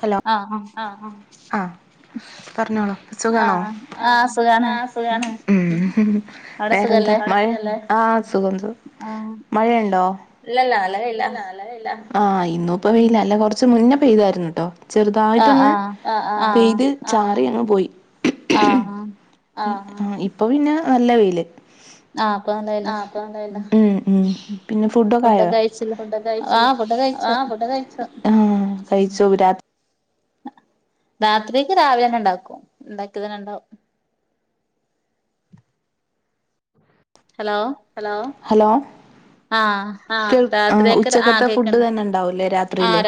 Hello ആ ആഹ പറഞ്ഞോളോ സുഖണോ വേറെ മഴല്ല ആഹ് സുഖം സുഖം മഴയുണ്ടോ ഇല്ലല്ല അലകല്ല ആ ഇന്നും ഇപ്പം വെയില്ല അല്ല കുറച്ച് മുന്നേപ്പോം ചെയ്തായിരുന്നു കേട്ടോ ചെറുതായിട്ടൊന്ന് പെയ്ത് ചാറി അങ്ങ് പോയി ആഹ് അപ്പൊ പിന്നെ നല്ല വെയില് ആ ഉ പിന്നെ ഫുഡൊക്കെ ആയ ഫുൊ ക ആ കഴിച്ച കഴിച്ചു രാ രാത്രിക്ക് രാവിലെ തന്നെ ഉണ്ടാക്കും ഉണ്ടാക്കിയ തന്നെ ഉണ്ടാവും ഹലോ ഹലോ ഹലോ ഉച്ചക്കത്തെ ഫുഡ് തന്നെ ഉണ്ടാവല്ലേ രാത്രിയില്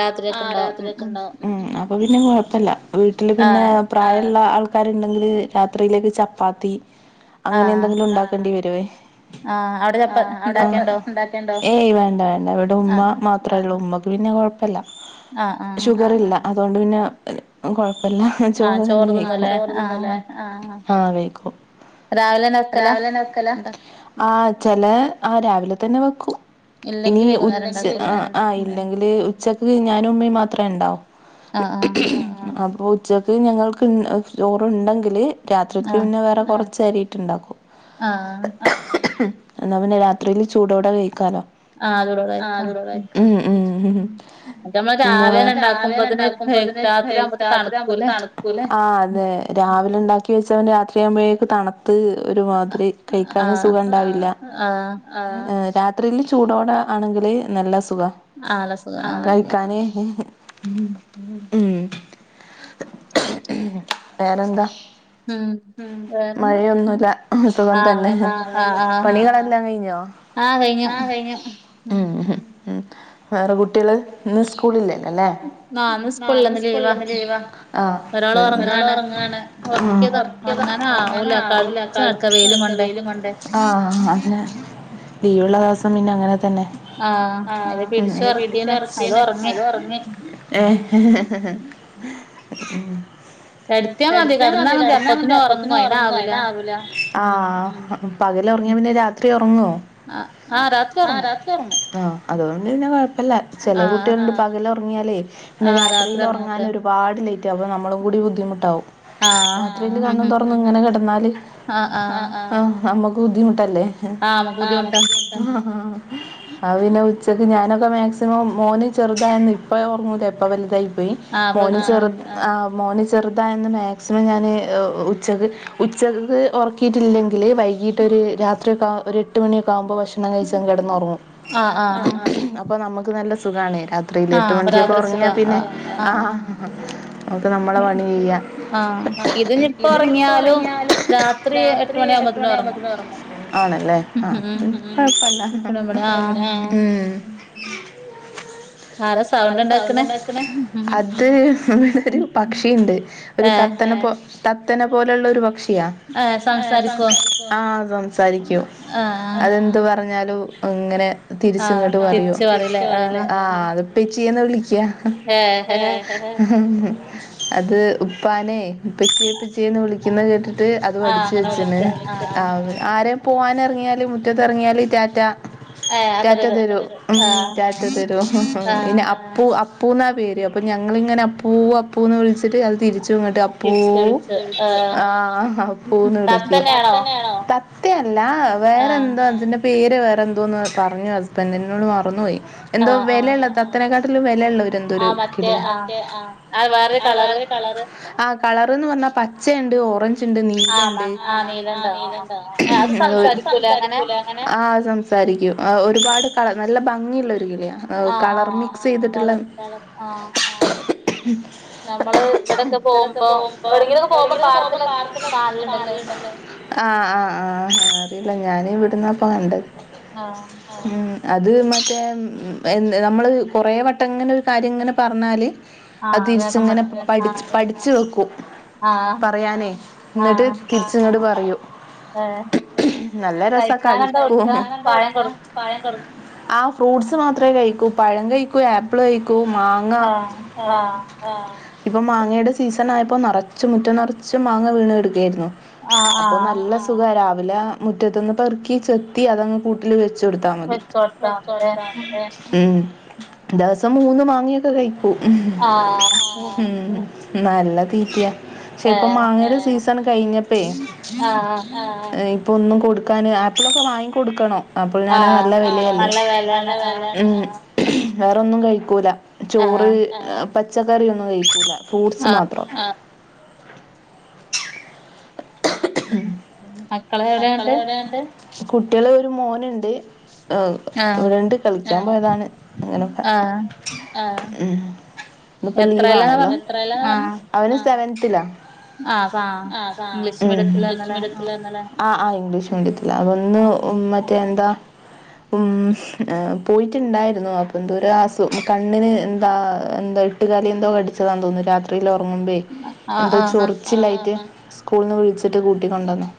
ഉ അപ്പൊ പിന്നെ കുഴപ്പില്ല വീട്ടില് പിന്നെ പ്രായമുള്ള ആൾ ക്കാണ്ടെങ്കില് രാത്രിയിലേക്ക് ചപ്പാത്തി അങ്ങനെ എന്തെങ്കിലും ഉണ്ടാക്കേണ്ടി വരുവേ ഏയ് വേണ്ട വേണ്ട ഇവിടെ ഉമ്മ മാത്രള്ള ഉമ്മ പിന്നെ കുഴപ്പില്ല ഷുഗർല്ല അതൊണ്ട് പിന്നെ അ എല്ലാം ചോറ് തന്നെ കഴിക്ക ആഹ് കഴിക്കും രാവിലെ തന്നെ വെക്കല ആ ചില ആ രാവിലെ തന്നെ വെക്കൂ ഇനി ഉച്ച ആ ആ് ഇല്ലെങ്കില് ഉച്ചക്ക് ഞാനും ഉമ്മ മാത്രേ ഉണ്ടാവു ആഹ ആ ആ ബോ ഉച്ചയ്ക്ക് ഞങ്ങൾക്ക് ൺ ചോറ ഉണ്ടെങ്കിൽ രാത്രിക്ക് പിന്നെ വേറെ കുറച്ച് അരിയിട്ടുണ്ടാക്കും എന്നാ പിന്നെ രാത്രിൽ ചൂടോടെ കഴിക്കാലോ ഉം ഉം ഉം പിന്ന രാവിലെ ഉണ്ടാക്കുമ്പോതിന് രാത്രി ആവുമ്പ തണുക്കൂലെ രാവിലെ ഉണ്ടാക്കി വെച്ച അവന് രാത്രിയാകുമ്പോഴേക്ക് തണുത്ത് ഒരുമാതിരി കഴിക്കാനും സ് ണ്ടാവില്ല അഹ് രാത്രിയില് ചു‌ടോടെ ആണെങ്കില് നല്ല സ് സുഖാ അഹ് കഴിക്കാനേ ഉം ഉം വേറെ എന്താ ഉം മഴയൊന്നുല്ല സുഖം തന്നെ പണികളെല്ലാം കഴിഞ്ഞോ ആഹ് കഴിഞ്ഞു ഉം ഉം വേറെ കുട്ട്യേള് ഇന്ന് സ്കൂളില്ലല്ലല്ലേ ന്നാ ന്ന് സ്കൂൾല്ല ന്ന് ലീവാണ് ആഹ് ഒരാള് ഉറങ്ങാണ് ഉം ഒർക്ക്യതാ ഉറങ്ങാൻ ആവൂല്ല കളിച്ചു നടക്ക വെയിലും കൊണ്ട് ആ അതെ അതെ ലീവൊള്ള ദിവസം പിന്നെ അങ്ങനെ തന്നെ ആഹ് ഉം പിടിച്ചു ഉറക്കിയെന് അത് ഉറങ്ങി ഏ ഉം കെടത്തിയ മതി കെടന്നാ മതി അപ്പത്തിനും ഉറങ്ങും അയിനാവൂല്ല ഇപ്പം പകലൊറങ്ങിയാ പിന്നെ രാത്രി ഒറങ്ങോ ആ രാത്രി ഒറങ്ങും അതുകൊണ്ട് പിന്നെ കൊ പ്പവില്ല ചെല കുട്ടികളുണ്ട് പകലൊറങ്ങിയാലേ പിന്നെ രാത്രിയിലൊറങ്ങാൻ ഒരുപാട് ലേറ്റാ അപ്പൊ നമ്മള് കൂടി ബുദ്ധിമുട്ടാകും രാത്രിയില് കണ്ണും തുറന്നിങ്ങനെ കിടന്നാൽ അ ആഹ് [unintelligible] നമ്മക്ക് ബുദ്ധിമുട്ടല്ലെ അതുപിന്നെ ഉച്ചക്ക് ഞാനൊക്കെ മാക്സിമം മോന് ചെറുതായന്ന് ഇപ്പോ ഒർങ്ങൂല്ല ഇപ്പ വലുതായി പോയി മോന് ചെറുത് ആ മോന് ചെറുതായന്ന് മാക്സിമം ഞാൻ ഓ ഉച്ചക്ക് ഉച്ചക്കക്ക് ഒറക്കിയിട്ടില്ലെങ്കില് വൈ വൈകീട്ടൊരു രാത്രിയൊക്കെ ആവു ഒരു എട്ട് മണിയൊക്കെ ആവുമ്പോ വെ ക്ഷണം കഴിച്ചങ്ങ് കടന്നുറങ്ങും ആ ആ അപ്പൊ നമ്മക്ക് നല്ല സുഖാണ്ണേ രാത്രിയില് എട്ട് മണിക്കൊക്കെ ഉറങ്ങിയാ പിന്നെ ആ നമ്മക്ക് നമ്മളെ പണി ചെയ്യാ ആ ഇത് ഇപ്പ ഒറങ്ങിയാലും രാത്രി എട്ട് മണി ആവുമ്പോത്തേനും ഒറങ്ങും ആണല്ലേ ആഹ് ഉം കൊഴപ്പല്ല ഉം ആരെ ആരാ സൗണ്ട്ണ്ടാക്ക്ണെ അത് ഒരു പക്ഷിയുണ്ട് ഒരു ഏ തത്തെന്നെപോ തത്തനെ പോലള്ളൊരു പക്ഷി ആ സംസാരിക്കോ ആഹ് സംസാരിക്കും അതെന്ത് പറ്ഞ്ഞാലും അങ്ങനെ തിരിച്ചങ്ങ്ട് പറയും ആ തിരിച്ചു പറയുലെ ആ [unintelligible] [unintelligible] എന്ന വിളിക്കാ ഏ എഹെ അത് ഇപ്പാന്നെ ഉപ്പച്ചി ഉപ്പച്ചിയെന്നു വിളിക്കുന്നത് കേട്ടിട്ട് അത് പഠിച്ചു വെച്ചനെ ആ അതെ ആരെം പോവാനെറങ്ങിയാല് മുറ്റത്തറങ്ങിയാല് റ്റാറ്റ റ്റാറ്റ തരും ഉം റ്റാറ്റ തരും ഉം ഇന്നെ അപ്പു അ അപ്പൂന്നാ പേര് അപ്പം ഞങ്ങളിങ്ങനെ അപ്പൂ അപ്പൂന്ന് വിളിച്ചിട്ട് അത് തിരിച്ചു ച്ചങ്ങട്ട് അപ്പൂ ആ അപ്പൂന്ന് വിളിക്കും തത്ത അല്ല വേറെന്തോതിന്റെ പേ ത്‌ വേറെന്തോന്ന് പറഞ്ഞു ഹസ്ബന്റ് ഇന്നോട് മറന്നോയി എന്തോ വെലള്ള തത്തേന്നേക്കാട്ടിലും വെ ലള്ള ഒര് എന്തൊരു കിളിയാ ആ മറ്റെ ആ അത് വേറൊരു കളറ് ആ കളർന്ന് പറഞ്ഞാ പച്ചയ്ണ്ട് ഓറഞ്ച്ണ്ട് നീലണ്ട് ആ സംസാരിക്കും ഒരുപാട് കളർ നല്ല ഭംഗിയുള്ള ഒരു കിളിയാ ഏ കളർ മിക്സെയ്തിട്ടുള്ള ഇവിടൊക്കെ പോവുമ്പോ എവിടെങ്കിലും ഒക്കെ പോവുമ്പോ പാർക്കിലൊ കാണല്ണ്ടല്ലൊ ആ ആ ആ അറിയില്ല ഞാനി ഇവിടന്നാപ്പൊ കണ്ടെ ആഹ് അത് മറ്റേ എ നമ്മൾ കുറേ വട്ടം ഇങ്ങനെ ഒരു കാര്യം ഇങ്ങനെ പറഞ്ഞാല് അതി തിരിച്ച ഇങ്ങനെ പടിച്ച് പഠിച്ചു വെക്കും പറയാനേ എന്നിട്ട് തിരിച് ഇങ്ങട് പറ നല്ല രസാ കളിക്കു കഴിക്കാനന്താ കൊടുക്കാ പഴം കൊടു ആ ഫ്രൂട്ട്സ് മാത്രെ കഴിക്കൂ പഴം കഴിക്കു ആപ്പിള് കഴിക്കു ക്കു മാങ്ങ ആ ആ ഇപ്പോ മാങ്ങേടെ സീസ ത്തന ആയപ്പം നറ്ച്ചും മുറ്റം നറ്ച്ചും മാങ്ങ വീണ് കെടക്കേയിരുന്നു അപ്പൊ നല്ല സുഖ രാവിലെ മുറ്റത്തുന്ന് പെറുക്കി ചെത്തി അതങ്ങ് കൂട്ടിൽ വെച്ച് ച്ചൊടുത്താ മതി വെച്ചൊട്ത്താ മതില്ലെ ഉം ദെവസം മൂന്ന് മാങ്ങയൊക്കെ കഴി ആഹ ഉ നല്ല തീറ്റിയ പക്ഷെ ഇപ്പ മാങ്ങയുടെ സീസൺ കഴിഞ്ഞപ്പേ ആഹആ ഇപ്പോൾ ഒന്നും കൊടുക്കാൻ ആപ്പിളൊക്കെ വാങ്ങി കൊടുക്കണോ ആപ്പിള്നാണേല് നല്ല വെലയല്ലേ ഉം വേറൊന്നും കഴിക്കൂല ചോറ് പച്ചക്കറിയൊന്നും കഴിക്കൂല ഫ്രൂട്ട്സ് മാത്രം മക്കളെവിടെന്നിട്ട് കുട്ടിയള് ഒരു മോനുണ്ട് ഏ ഇവിടെണ്ട് കളിക്കാൻ പോയതാണ് അങ്ങനൊക്കെ ആ മ് ഇന്നിപ്പോ ലീവ് ആണല്ലോ എത്രേല്ലാന്നാ പറ്ഞ്ഞെ അവന് സെവൻത്തിലാ ആഹ് ആഹ് ഇംഗ്ലീഷ് ഉം ഇംഗ്ലീഷ് മീഡിയത്തിൽ ആ ആ ഇംഗ്ലീഷ് മീഡിയത്തില് അത ഒന്ന് മറ്റേ എന്താ ഉം പോയിട്ടുണ്ടായിരുന്നു അപ്പൊ എന്തോര അസു കണ്ണിന് എന്താ എന്തട്ട് എട്ടുകാലി എന്തോ കടിച്ചതാന്ന് തോന്നുന്നു രാത്രിയിലൊ റങ്ങുമ്പേ എന്തൊ ചൊറച്ചില്ലായിട്ട് സ്കൂളിന്ന് വിളിച്ചിട്ട് കൂട്ടികൊണ്ടുവന്നു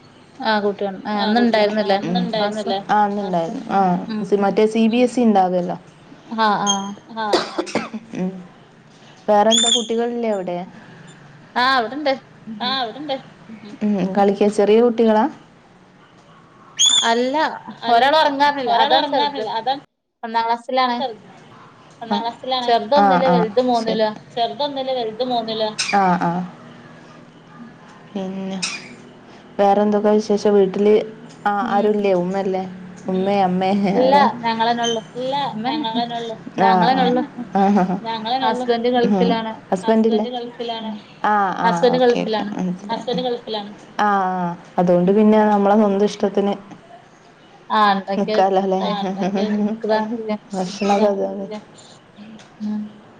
ആ [unintelligible] ആ ഇന്നുണ്ടായിരുന്നു അല്ലെ ആ ഇന്നുണ്ടായിരുന്നു ആ സി മറ്റേ സി ബി എ സി ഉണ്ടാകുല്ലോ ആഹ ആഹ ഉം വേറെന്ത കുട്ടികൾ ല്ലെ അവിടെ ആ ഇവിടുണ്ട് കളിക്കാൻ ചെറിയ കുട്ടികളാ അല്ല ഒരാളൊറങ്ങാണ് അതാ സം ഒന്നാം ക്ലാസിലാണ് ആ അ ചെറുതൊന്നില വലുത് മൂന്നില ആഹ് ആഹ് ഉം വേറെന്തൊക്കെയ വിശേഷം വീട്ടില് ആ ആരുവില്ലേ ഉമ്മ ല്ലെ ഉമ്മെ അമ്മേ ആരാ ഇല്ല ഞങ്ങളെന്നെ ഒള്ളൂ ആഹ് ആഹ് അതെന്നെ ആഹ് ഹ ഹാ ഞങ്ങളെന്നെ ഒള്ളൂ ആഹ് ഹസ്ബെന്റ് ഇല്ലേ ഹസ്ബെന്റ് ഗെൾഫി ലാണ്. ആഹ് ആഹ് ഓക്കെ ഓക്കെ മൻസിലായി ഹസ്ബെന്റ് ഗെൾഫിലാണ്. ആഹ് ആഹ് അതോണ്ട് പിന്നെ നമ്മളെ സ്വന്ത ഇഷ്ടത്തിന് നിക്കാലോല്ലേ ആഹ് അതെന്നെ എന്നും ഭക്ഷണൊക്കെ അത് മതില്ലേ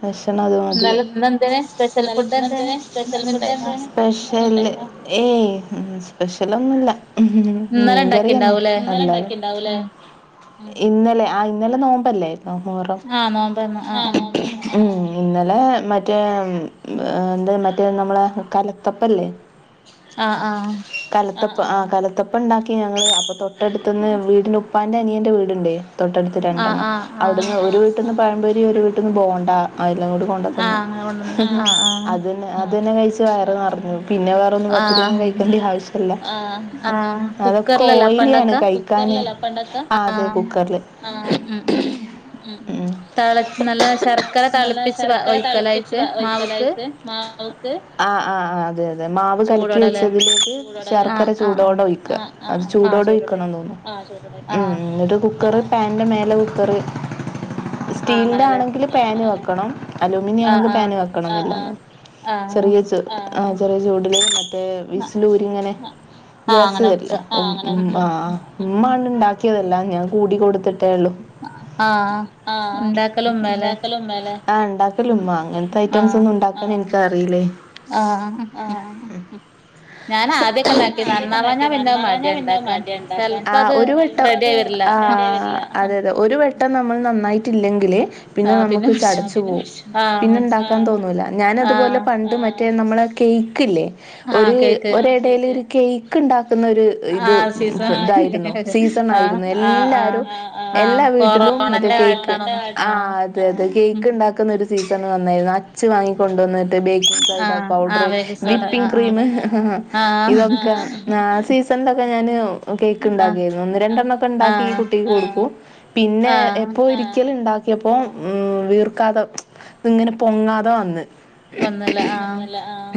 ഭഷണം അത് മതി. ഇന്നലെ ഇന്ന് എന്തെ സ്പെഷൽ ഫുഡ്‌ എന്താണ്? പെഷ്യല് ഏയ് ഉം സ്പെഷ്യലൊന്നുല്ല ഇഹ് ഇഹ് മീൻകറിന്നെ അല്ലാതെ ഇന്നലെ ഇണ്ടാക്കിണ്ടാവുല്ലേ. ഇന്നലെ ആഹ് ഇന്നലെ നോമ്പല്ലേ നോ മൊഹറം ആഹ് നോമ്പ് ല്ലേ മ് ഇന്നലെ മറ്റേ ആം എന്താ മറ്റേ നമ്മളെ കലത്തപ്പല്ലേ ആഹ് ആഹ് കലത്തപ്പ ആ കലത്തപ്പം ഇണ്ടാക്കി ഞങ്ങള് അപ്പൊ തൊട്ടട്ത്ത്ന്ന് വീടിന്റെ ഉപ്പാന്റെ അനിയന്റെ വീട്ണ്ടേ തൊട്ടട്ത്ത് രണ്ടെണ്ണം. അവിട്ന്ന് ഒരു വീട്ടിന്ന് പഴംപ്പൊരി ഒരു വീട്ട്ന്ന് ബോണ്ട അയ് ലോഡ് കൊണ്ടത്തന്നു. മ് അതെന്നെ അതെന്നെ കഴിച്ച് വയറ് നെർഞ്ഞു. പിന്നെ വേറൊന്നും പത്തിരി ഒന്നും കഴിക്കണ്ടി ആവശ്യല്ല. ആഹ് അതൊക്കെ ഓയിലിയാണ് കഴിക്കാൻ ആ അതെ കുക്കറില് ഉം ഉം നല്ല ശർക്കര തിളുപ്പിച് വലഴ് [inaudible] മാ ആ ആ് ആ് അതെ അതെ അതെ മാവ് കലക്കി വെച്ചതിലേക്ക് ശർക്കര ചൂടോടെ ഒഴിക്കുക അത് ചൂടോടെ ഒഴിക്കണംന്ന് തോന്നുന്നു ഉം എന്നിട്ട് കുക്കർ പൻിൻ്റെ മേലെ വിക്കറ് സ്റ്റീലിൻ്റെ ആണെങ്കിൽ പാൻ വെക്കണം അലൂമിനിയം ആണെങ്കിൽ പാന് വെക്കണില്ല ചെറിയ ച ചെറിയ ചൂടില് ആ വിസിലൂരിങ്ങനെ ഗ്യാസ് തല്ലേ ഉ ആ ഉമ്മണ് ഉണ്ടാക്കിയതല്ല ഞാൻ കൂടി കൊൊടുത്തിട്ടേള്ളൂ ആഹ ആ ആ ഉണ്ടാക്കല ഉമ്മ ലെആ ഉണ്ടാക്കൽ ഉമ്മ അങ്ങനത്തെ ഐറ്റംസ് ഒന്നും ഉണ്ടാക്ക എ അറില്ല ആ അതൊക്കെ നോക്കി നന്നവാ ഞാൻ പിന്നെ മടിയ ഉണ്ടാക്ക ആ അതെ അതെ ഒരു വെട്ടം നമ്മൾ നന്നായിട്ടില്ലെങ്കിൽ പിന്നെ നമുക്ക് ചടച്ചു പോവും പിന്നെ ഇണ്ടാക്കാൻ തോന്നൂല ഞാാന അതുപോലെ പണ്ട് മറ്റ മറ്റേ നമ്മ കേക്ക്ല്ലേ ഒരു ഒടൽ കേക്ക് ഉണ്ട [inaudible] ന്ന ഇത് ഇതായിരുന്നു സീസൺ ആയിരുന്നു എല്ലാരും എല്ലാ വീട്ടിലും മറ്റേ കേക്ക് ആ അതതെ കേക്ക് ഉണ്ടാക്കുന്ന ഒരു സീ വന്നായിരുന്നു അച് വാങ്ങി കൊണ്ടുവന്നിട്ട് baking soda powder whipping cream ഇതൊക്കെ ആ സസ [inaudible] ഞൻ കേക്ക് ഉണ്ടാക്കരുന്നു ഒന്ന് രണ്ടെണ്ണം ഒക്കെ ഉണ്ടാക്കിഈ കുട്ടിക്ക് കൊടുക്കും പിന്നെ എപ്പോ ഇരിക്ക ഉണ്ടാക്കിയപ്പോ മ്മ് വീർക്കാതോ ഇങ്ങനെ പൊങ്ങാതോ വന്ന് ഒന്നല്ല ആഹ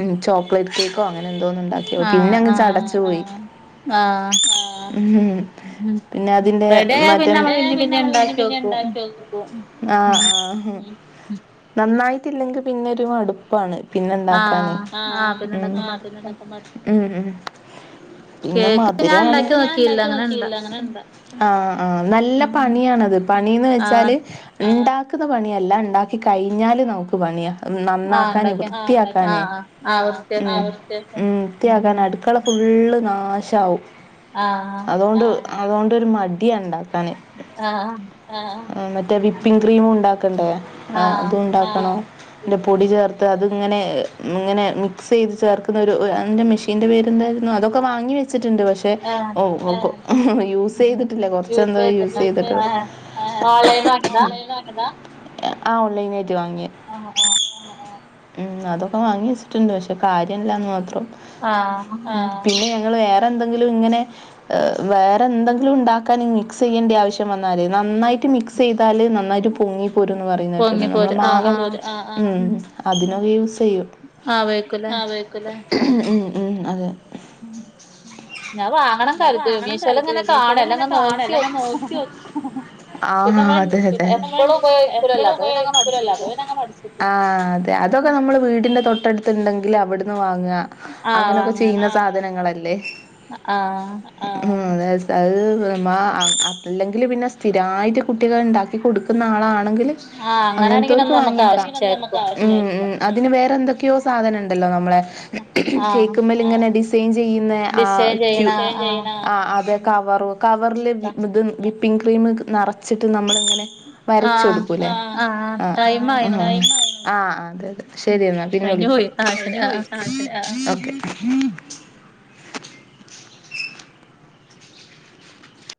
ഉ ചോക്ലേറ്റ് കേക്കോ അങ്ങനെ എന്തോന്നണ്ടാക്കിയ പിന്നെ അങ്ങ് ചടച്ചു പോോയി ആ ഉ പിന്നെ അതിന്റെ മ പിന്നമ്മ പിണ്ടാക്കോ ആ ആന്നായി [inaudible] ങ്കിൽ പിന്നെരു മടുപ്പാണ് പിന്നെണ്ടാക്കാന് ആ ആ ഉ ഉ പിന്നെ മധുരഅങ്ങനെ ഞൻാക്കി നോ ആ നല്ല പണിയണത് പണിന്ന് വെച്ചാൽ ഉണ്ടാക്കുന്ന പണിയല്ല ഉണ്ടാക്കി കഴിഞ്ഞാൽ നമുക്ക് പണിയാണ് നന്നാക്കാന വൃത്തിയാക്കാന ഉ ആആ വൃത്തിയാക്കനെ അടുക്കള ഫുൾ നാശാവും ആഹ അതുകൊണ്ടൊരു മടിയ ഉണ്ടാക്കാന് മറ്റേ വിപ്പിംഗ് ക്രീം ഉണ്ടാക്കണ്ടേ ആ അതുംണ്ടാക്കണോ പൊടി ചേർത്ത് അതിങ്ങനെ ഇങ്ങനെ മിക്സ് ചെയ്ത് ചേർക്കുന്ന ഒരു അതിന്റെ മെഷീന്റെ പേര്ന്തായിരുന്നു അ ഒക്കെ വാങ്ങി വെച്ചിട്ടുണ്ട് പക്ഷെ ഓ യൂസ് ചെയ്തി കുറച്ചെന്തോ യൂസ് ചെയ്തിട്ട ആ ഓൺലൈന് ആയിട്ട് വാങ്ങിയ അതൊക്കെ വാങ്ങി വെച്ചിട്ടുണ്ട് പക്ഷേ കാര്യമില്ലാന്ന് മാത്രം ആ വേറെന്തെങ്കിലും ഇങ്ങനെ വേറെന്തെങ്കിലും ഉണ്ട ക്കാൻ മിസ്ച്ചയണ്ട ആവിശ്യം വന്നാൽ നന്നായിട്ട് മിക്സ്‌ചെയ്താൽ നാ നന്നായിട്ട് പൊങ്ങി പോരന്ന് പറയുന്ന കേട്ടിട്ടുണ്ട് നമ്മ മാവ ഉ അതിനൊക്കെ യൂസ് ചെയ്യും ആ വെ ആതക്കലേ ഉ ഉ അതെ ഉ ഞാൻ വാങ്ങണം കരുതും മീശോൽ ഇങ്ങനെ കാണല്ല നോ ആഹ അതെതെ ആ അതെ അതൊക്കെ നമ്മള് വീടിന്റെ തൊട്ടടുുണ്ടെങ്കിൽ അവി അങ്ങനൊക്കെ ചെയുന്ന സാധനങ്ങളല്ലേ ആ അതെ അത് അല്ലെങ്കിൽ പിന്നെ സ്ഥിരമായിട്ട് കുട്ടികൾ ഉണ്ടാക്കി കൊടുക്കുന്ന ആളാണ് അ വ ഉ അ വ എന്തൊക്കെയോ സാധനമുണ്ടല്ലോ നമ്മ കേൾക്കുമ ഇങ്ങ ഡിസേർ ചെയ്യുന്ന കവർ പിങ്ക്രീം നിറച്ച വച്ചിട്ട് നമ്മൾ ഇങ്ങനെ വരച്ച കൊടുക്കൂല്ലേ ആ ആഹ അതെ അതെ ശരിയെന്നാ പിന്നെ വിളിക്ക